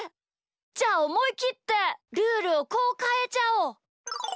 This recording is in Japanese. じゃあおもいきってルールをこうかえちゃおう！